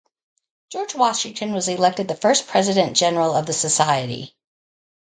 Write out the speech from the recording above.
George Washington was elected the first President General of the Society.